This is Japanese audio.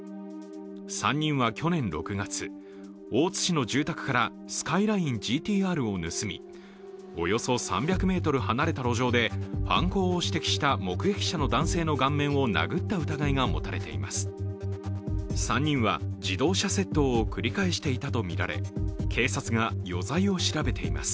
３人は去年６月、大津市の住宅からスカイラインＧＴ−Ｒを盗みおよそ３００ｍ離れた路上で犯行を指摘した目撃者の男性の顔面を殴った疑いが持たれています。